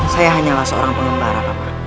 saya hanyalah seorang pengembara pak mak